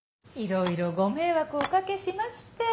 色々ご迷惑をお掛けしまして。